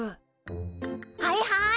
はいはい。